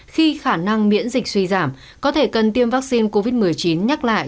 khi khả năng miễn dịch suy giảm có thể cần tiêm vaccine covid một mươi chín nhắc lại